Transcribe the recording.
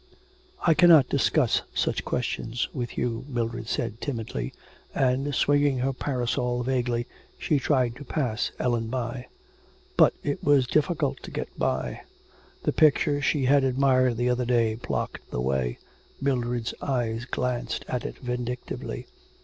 'I cannot discuss such questions with you,' Mildred said timidly, and, swinging her parasol vaguely, she tried to pass Ellen by. But it was difficult to get by. The picture she had admired the other day blocked the way. Mildred's eyes glanced at it vindictively.